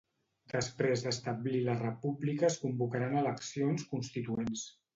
Després d'establir la república es convocaran eleccions constituents.